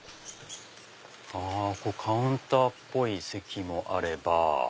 カウンターっぽい席もあれば。